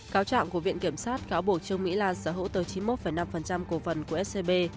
cáo trạng của viện kiểm soát cáo bộ trương mỹ lan sở hữu tờ chín mươi một năm cổ vần của scb